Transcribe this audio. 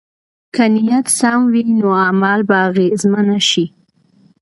که نیت سم وي، نو عمل به اغېزمن شي.